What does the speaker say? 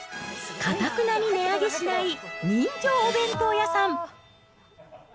かたくなに値上げしない人情お弁当屋さん。